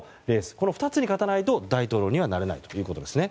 この２つに勝たないと大統領にはなれないということですね。